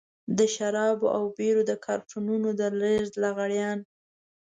د شرابو او بيرو د کارټنونو د لېږد لغړيان.